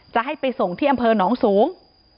จะให้ไปส่งที่อำเภอหนองสูง